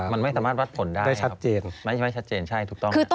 มันไม่สามารถวัดผลได้ครับไม่ชัดเจนใช่ถูกต้องนะครับ